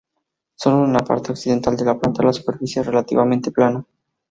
Solo en la parte occidental de la planta la superficie es relativamente plana.